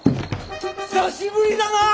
久しぶりだな！